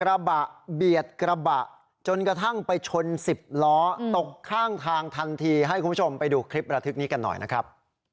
กระบะเบียดกระบะจนกระทั่งไปชน๑๐ล้อตกข้างทางทันทีให้คุณผู้ชมไปดูคลิประทึกนี้กันหน่อยนะครับ